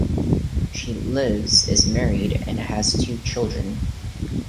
She lives is married and has two children.